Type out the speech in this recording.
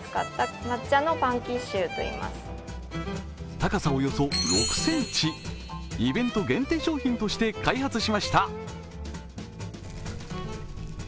高さおよそ６ｃｍ、イベント限定商品として開発しました。